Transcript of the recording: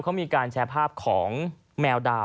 เขามีการแชร์ภาพของแมวดาว